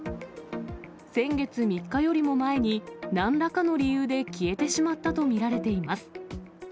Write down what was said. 先月３日よりも前に、なんらかの理由で消えてしまったと見られています。